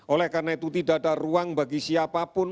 oleh karena itu tidak ada ruang bagi siapapun